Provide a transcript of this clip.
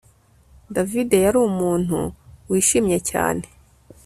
David yari umuntu wishimye cyane